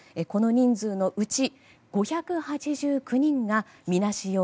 この人数のうち５８９人がみなし